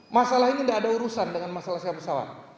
masalah ini enggak ada urusan dengan masalah sewaan pesawat